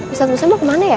ustadz musa mau kemana ya